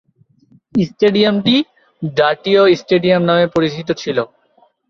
স্টেডিয়ামটি 'জাতীয় স্টেডিয়াম' নামে পরিচিত ছিল।